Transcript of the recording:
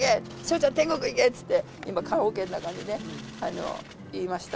ちゃん、天国いけって言って、今、棺おけの中にね、言いました。